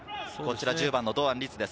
１０番の堂安律です。